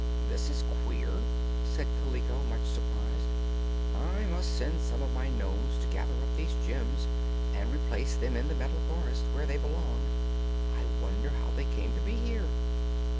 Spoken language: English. "This is queer!" said Kaliko, much surprised. "I must send some of my nomes to gather up these gems and replace them in the Metal Forest, where they belong. I wonder how they came to be here?"